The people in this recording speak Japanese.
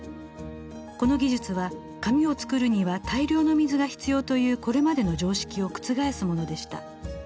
この技術は紙を作るには大量の水が必要というこれまでの常識を覆すものでした。